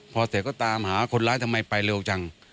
พอเสร็จก็ตามหาคนร้ายทำไมไปเร็วจัง